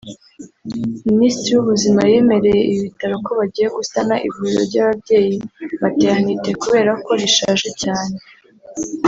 Minisitiri w’ubuzima yemereye ibi bitaro ko bagiye gusana ivuriro ry’ababyeyi (Matérnité) kubera ko rishaje cyane